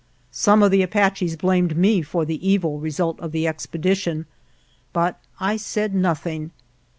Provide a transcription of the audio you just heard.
Some of the Apaches blamed me for the evil result of the expedition, but I said nothing.